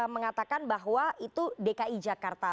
mengatakan bahwa itu dki jakarta